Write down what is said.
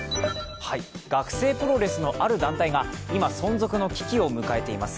学生プロレスのある団体が、今存続の危機を迎えています。